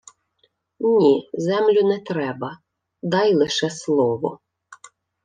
— Ні, землю не треба. Дай лише слово.